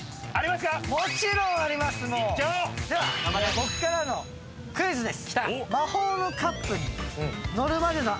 僕からのクイズです。